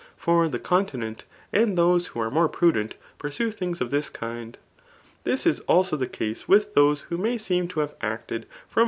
' For the continent^ and those who are more prudent, pursue things of this kind. Tliis is also tbe case with those who may seem to have acted from.